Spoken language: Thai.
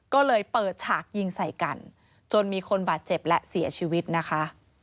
ก็เลยเปิดฉากยิงใส่กันจนมีคนบาดเจ็บและเสียชีวิตนะคะ